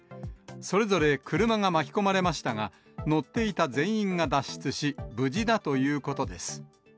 それぞれ車が巻き込まれましたが、乗っていた全員が脱出し、無事だということです。